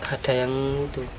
ada yang itu